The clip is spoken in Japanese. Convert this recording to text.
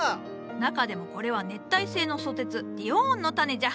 中でもこれは熱帯性の蘇鉄「ディオーン」のタネじゃ。